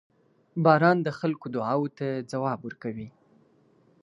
• باران د خلکو دعاوو ته ځواب ورکوي.